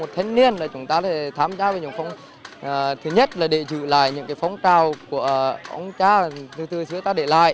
từ thứ nhất là để giữ lại những phóng trào của ông cha từ từ xưa ta để lại